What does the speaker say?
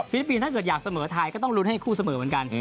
ลิปปินส์ถ้าเกิดอยากเสมอไทยก็ต้องลุ้นให้คู่เสมอเหมือนกัน